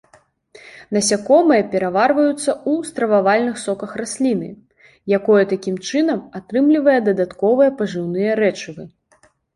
Насякомыя пераварваюцца ў стрававальных соках расліны, якое такім чынам атрымлівае дадатковыя пажыўныя рэчывы.